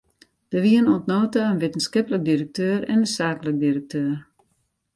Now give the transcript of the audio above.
Der wienen oant no ta in wittenskiplik direkteur en in saaklik direkteur.